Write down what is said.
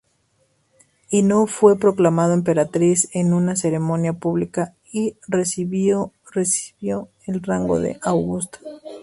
Ino fue proclamada Emperatriz en una ceremonia pública y recibió el rango de Augusta.